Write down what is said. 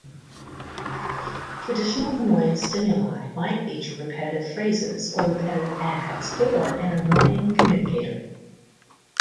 Traditional annoyance stimuli might feature repetitive phrases or repetitive ads or an annoying communicator.